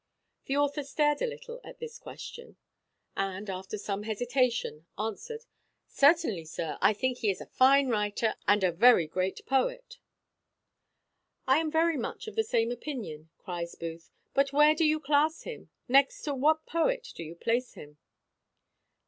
The author stared a little at this question; and, after some hesitation, answered, "Certainly, sir, I think he is a fine writer and a very great poet." "I am very much of the same opinion," cries Booth; "but where do you class him next to what poet do you place him?"